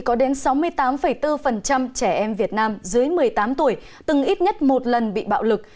có đến sáu mươi tám bốn trẻ em việt nam dưới một mươi tám tuổi từng ít nhất một lần bị bạo lực